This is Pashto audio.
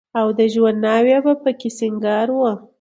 او د ژوند ناوې به په کې سينګار وه.